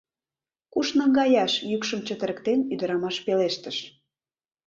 — Куш наҥгаяш? — йӱкшым чытырыктен ӱдырамаш пелештыш.